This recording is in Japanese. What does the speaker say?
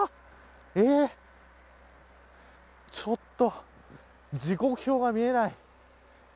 ちょっと時刻表が見えない。